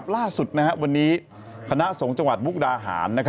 ล่าสุดวันนี้คณะสงฆ์จังหวัดมุกดาหาร